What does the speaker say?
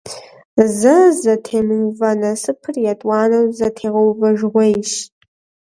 Зэ зэтемыува насыпыр етӀуанэу зэтегъэувэжыгъуейщ.